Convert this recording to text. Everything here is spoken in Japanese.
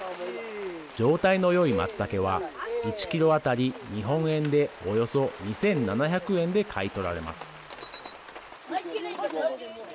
状態のよいまつたけは１キロ当たり日本円でおよそ２７００円で買い取られます。